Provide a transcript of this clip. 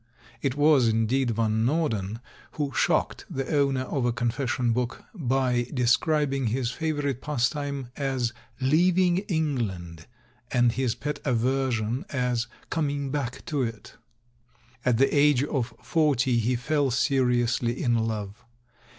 It was, indeed. Van Norden who shocked the owner of a Confession book by describing his favourite pastime as "Leaving England," and his pet aversion as "Coming back to it." At the age of forty he fell seriously in love.